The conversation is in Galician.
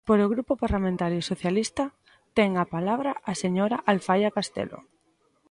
Polo Grupo Parlamentario Socialista ten a palabra a señora Alfaia Castelo.